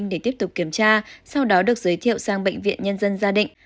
để tiếp tục kiểm tra sau đó được giới thiệu sang bệnh viện nhân dân gia định